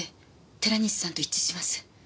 寺西さんと一致します。